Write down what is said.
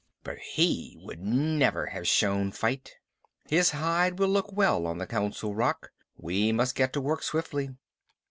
"But he would never have shown fight. His hide will look well on the Council Rock. We must get to work swiftly."